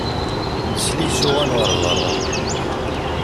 Nesla i isuɣan ɣer berra.